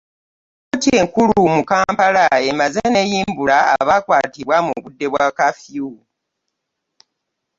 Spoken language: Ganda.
Kkooti enkulu mu Kampala emaze n'eyimbula abaakwatibwa mu budde bwa kaafiyu